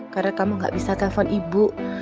karena kamu gak bisa telepon ibu